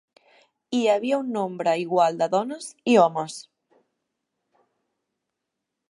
Hi havia un nombre igual de dones i homes.